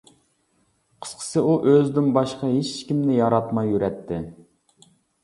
قىسقىسى، ئۇ ئۆزىدىن باشقا ھېچكىمنى ياراتماي يۈرەتتى.